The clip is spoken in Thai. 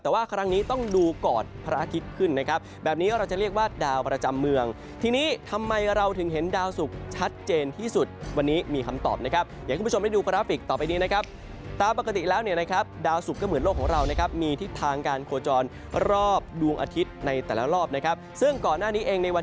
แต่ว่าครั้งนี้ต้องดูก่อนพระอาทิตย์ขึ้นนะครับแบบนี้เราจะเรียกว่าดาวประจำเมืองทีนี้ทำไมเราถึงเห็นดาวสุกชัดเจนที่สุดวันนี้มีคำตอบนะครับอย่างคุณผู้ชมได้ดูกราฟิกต่อไปนี้นะครับตามปกติแล้วเนี่ยนะครับดาวสุกก็เหมือนโลกของเรานะครับมีทิศทางการโคจรรอบดวงอาทิตย์ในแต่ละรอบนะครับซึ่งก่อนหน้านี้เองในวัน